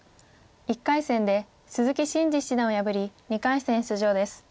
１回戦で鈴木伸二七段を破り２回戦出場です。